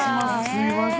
すいません。